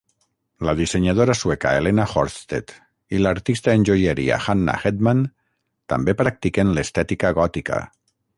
La dissenyadora sueca Helena Horstedt i l'artista en joieria Hanna Hedman també practiquen l'estètica gòtica.